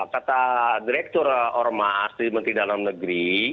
kata direktur ormas di menteri dalam negeri